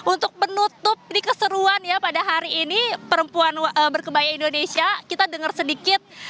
untuk menutup keseruan ya pada hari ini perempuan berkebaya indonesia kita dengar sedikit